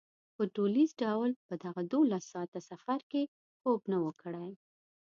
په ټولیز ډول په دغه دولس ساعته سفر کې خوب نه و کړی.